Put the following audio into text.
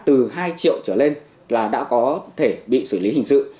từ hai triệu trở lên là đã có thể bị xử lý hình sự